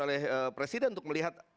oleh presiden untuk melihat